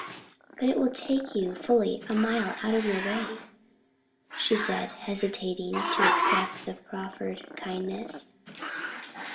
"But it will take you fully a mile out of your way," she said, hesitating to accept the proffered kindness.